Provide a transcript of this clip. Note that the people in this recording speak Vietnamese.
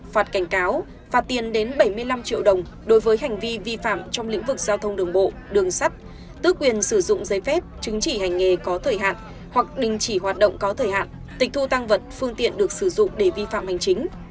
phạt cảnh cáo phạt tiền đến bảy mươi năm triệu đồng đối với hành vi vi phạm trong lĩnh vực giao thông đường bộ đường sắt tước quyền sử dụng giấy phép chứng chỉ hành nghề có thời hạn hoặc đình chỉ hoạt động có thời hạn tịch thu tăng vật phương tiện được sử dụng để vi phạm hành chính